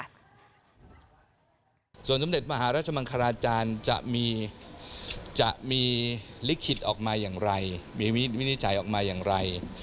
ส่วนสมเด็จมหาราชมังคลาจารย์จะมีจะมีลิขิตออกมาอย่างไรมีวินิจฉัยออกมาอย่างไร